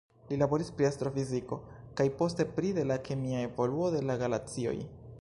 Li laboris pri astrofiziko, kaj poste pri de la kemia evoluo de la galaksioj.